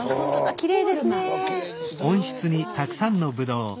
きれいですね。